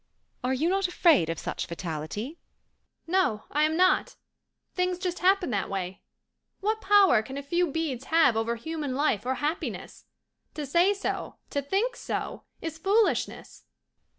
Are you not afraid of such fatality?" "No, I am not. Things just happen that way. What power can a few beads have over human life or happiness? To say so, to think so, is foolishness."